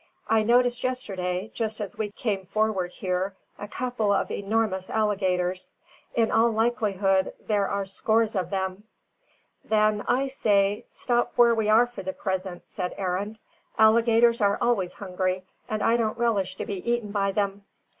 "I noticed yesterday, just as we came forward here, a couple of enormous alligators. In all likelihood, there are scores of them." "Then I say, stop where we are for the present," said Arend. "Alligators are always hungry, and I don't relish to be eaten by them."